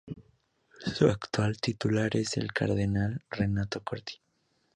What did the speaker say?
Su actual titular es el cardenal Renato Corti.